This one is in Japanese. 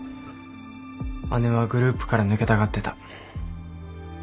姉はグループから抜けたがってた。